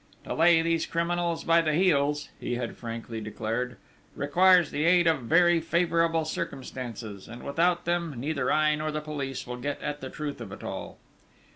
"To lay these criminals by the heels," he had frankly declared, "requires the aid of very favourable circumstances, and without them, neither I nor the police will get at the truth of it all."